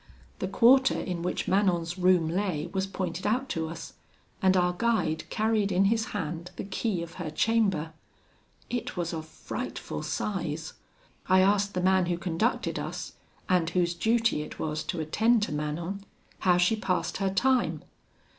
The quarter in which Manon's room lay was pointed out to us, and our guide carried in his hand the key of her chamber: it was of frightful size. I asked the man who conducted us, and whose duty it was to attend to Manon, how she passed her time?